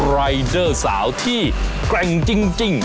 รายเดอร์สาวที่แกร่งจริง